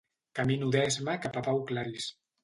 Camino d'esma cap a Pau Claris.